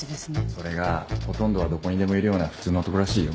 それがほとんどはどこにでもいるような普通の男らしいよ。